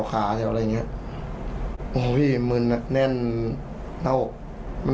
ห้ามกันครับผม